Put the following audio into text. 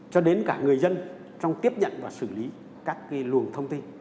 cho đến cả người dân trong tiếp nhận và xử lý các luồng thông tin